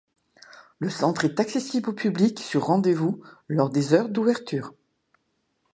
Le centre est accessible au public sur rendez-vous lors des heures d'ouverture.